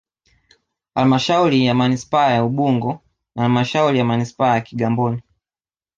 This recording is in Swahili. Halmashauri ya Manispaa ya Ubungo na Halmashauri ya Manispaa ya Kigamboni